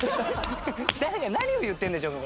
誰が何を言ってるんでしょうか？